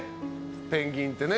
ペンギンってね。